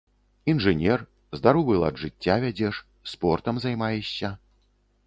Інжынер, здаровы лад жыцця вядзеш, спортам займаешся.